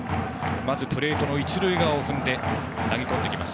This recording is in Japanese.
まずプレートの一塁側を踏んで投げ込んできます。